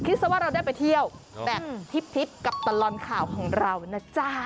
ซะว่าเราได้ไปเที่ยวแบบทิพย์กับตลอดข่าวของเรานะจ๊ะ